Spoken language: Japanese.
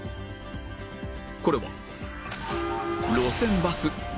これは